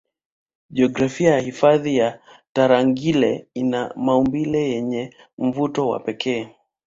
Jiografia ya hifadhi ya Tarangire ina maumbile yenye mvuto wa pekee